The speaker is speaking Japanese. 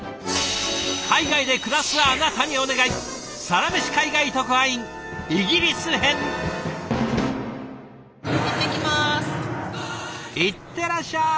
海外で暮らすあなたにお願い行ってらっしゃい！